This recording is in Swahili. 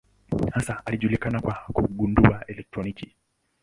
Hasa anajulikana kwa kugundua elektroni.